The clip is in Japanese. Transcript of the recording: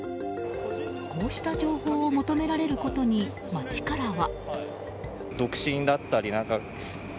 こうした情報を求められることに街からは。